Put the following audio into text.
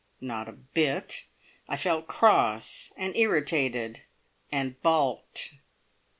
Not a bit! I felt cross, and irritated, and balked!